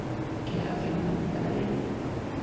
Què ha afirmat Canadell?